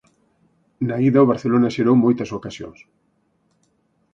Na ida o Barcelona xerou moitas ocasións.